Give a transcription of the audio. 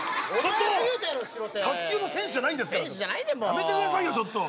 やめてくださいよちょっと。